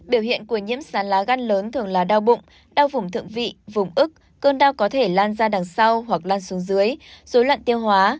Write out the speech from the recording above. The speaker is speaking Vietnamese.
biểu hiện của nhiễm sán lá gan lớn thường là đau bụng đau vùng thượng vị vùng ức cơn đau có thể lan ra đằng sau hoặc lan xuống dưới rối lặn tiêu hóa